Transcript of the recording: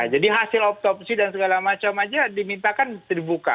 jadi hasil oksopsi dan segala macam aja dimintakan dibuka